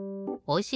お！